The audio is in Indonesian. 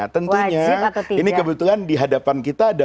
tentunya ini kebetulan di hadapan kita ada